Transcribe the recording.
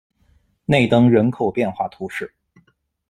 内登人口变化图示